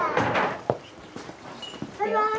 バイバーイ。